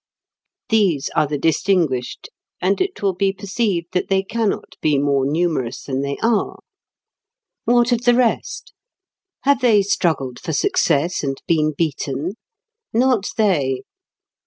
These are the distinguished, and it will be perceived that they cannot be more numerous than they are. What of the rest? Have they struggled for success and been beaten? Not they.